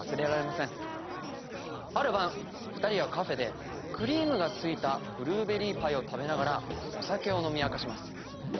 ある晩２人はカフェでクリームが付いたブルーベリーパイを食べながらお酒を飲み明かします。